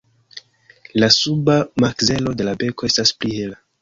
La suba makzelo de la beko estas pli hela.